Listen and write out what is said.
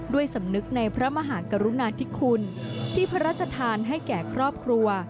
สำนึกในพระมหากรุณาธิคุณที่พระราชทานให้แก่ครอบครัว